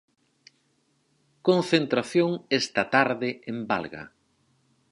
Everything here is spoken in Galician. Concentración esta tarde en Valga.